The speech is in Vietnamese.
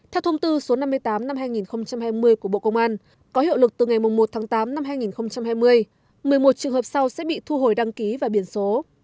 theo thông tư số năm mươi tám năm hai nghìn hai mươi của bộ công an có hiệu lực từ ngày một tháng tám năm hai nghìn hai mươi một mươi một trường hợp sau sẽ bị thu hồi đăng ký và biển số